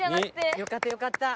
よかったよかった！